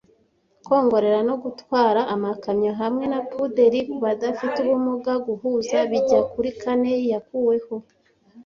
Kwongorera no gutwara amakamyo hamwe na puderi kubadafite ubumuga, guhuza bijya kuri kane- yakuweho ,